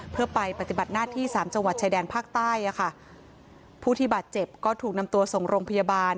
เพื่อไปปฏิบัติหน้าที่สามจังหวัดชายแดนภาคใต้อ่ะค่ะผู้ที่บาดเจ็บก็ถูกนำตัวส่งโรงพยาบาล